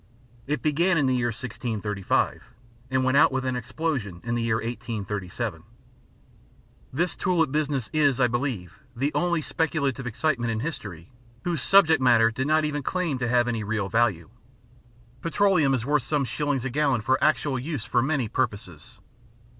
It began in the year 1635, and went out with an explosion in the year 1837. This tulip business is, I believe, the only speculative excitement in history whose subject matter did not even claim to have any real value. Petroleum is worth some shillings a gallon for actual use for many purposes.